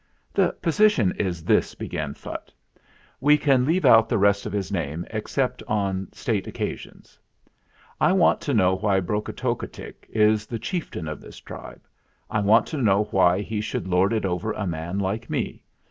"The position is this," began Phutt. We can leave out the rest of his name except on State occasions. "I want to know why Brok otockotick is the chieftain of this tribe. I want to know why he should lord it over a man like me.